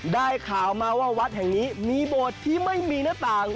ได้ข่าวมาว่าวัดแห่งนี้มีโบสถ์ที่ไม่มีหน้าต่าง